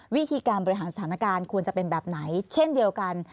วิธีการบริหารสถานการณ์ควรจะเป็นแบบไหนเช่นเดียวกัน